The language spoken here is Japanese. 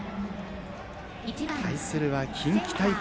対するは近畿大会